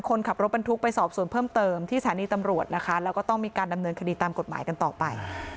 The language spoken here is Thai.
คนขับรถบรรทุกไปสอบส่วนเพิ่มเติมที่สถานีตำรวจนะคะแล้วก็ต้องมีการดำเนินคดีตามกฎหมายกันต่อไป